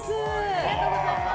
ありがとうございます。